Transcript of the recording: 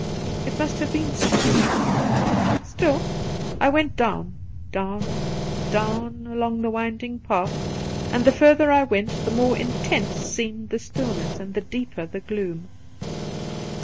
It must have been something else. Still I went down, down, down, along the winding path, and the further I went the more intense seemed the still ness an4 the deeper the gloom.